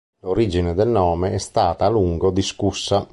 L'origine del nome è stata a lungo discussa.